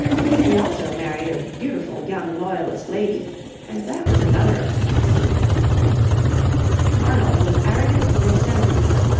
He also married a beautiful young loyalist lady, and that was another offence. Arnold was arrogant and sensitive.